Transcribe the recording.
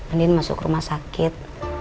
andien masuk rumah sakit